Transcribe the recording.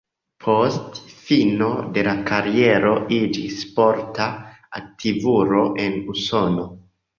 Post fino de la kariero iĝis sporta aktivulo en Usono.